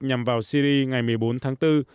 nhằm vào syria ngày một mươi bốn tháng bốn